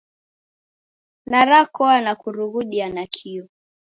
Narakoa na kurughudia nakio.